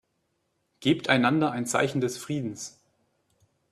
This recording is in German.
Gebt einander ein Zeichen des Friedens.